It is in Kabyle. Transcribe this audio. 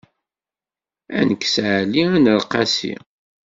Ad nekkes Ɛli, ad nerr Qasi.